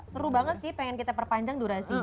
seru banget sih pengen kita perpanjang durasinya